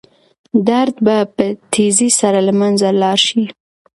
درد به په تېزۍ سره له منځه لاړ شي.